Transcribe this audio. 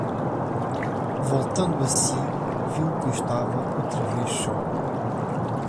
Voltando a si, viu que estava outra vez só.